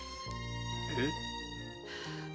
えっ？